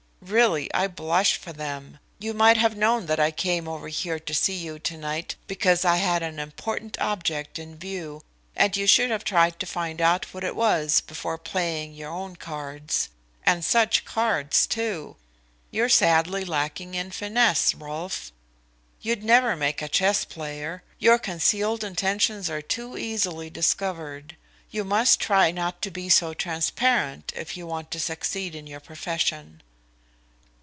Really, I blush for them. You might have known that I came over here to see you to night because I had an important object in view, and you should have tried to find out what it was before playing your own cards, and such cards, too! You're sadly lacking in finesse, Rolfe. You'd never make a chess player; your concealed intentions are too easily discovered. You must try not to be so transparent if you want to succeed in your profession."